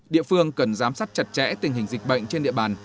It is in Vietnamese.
địa phương cần giám sát chặt chẽ tình hình dịch bệnh trên địa bàn